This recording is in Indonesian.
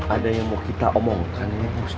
ada yang mau kita omongkan